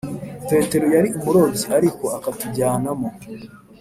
petero yari umurobyi ariko akatujyana mo